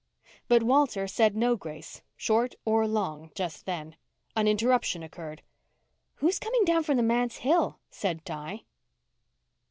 But Walter said no grace, short or long, just then. An interruption occurred. "Who's coming down from the manse hill?" said Di.